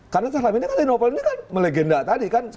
karena setiap ini kan snopel ini kan melegenda tadi kan